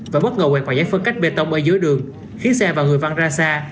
và bất ngờ quẹt vào giấy phân cách bê tông ở dưới đường khiến xe và người văn ra xa